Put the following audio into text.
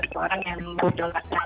seorang yang berharap messi akan menang